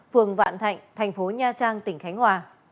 phường vạn thạnh thành phố nha trang tỉnh khánh hòa